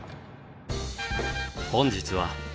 本日は。